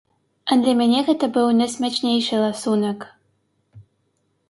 А для мяне гэта быў найсмачнейшы ласунак.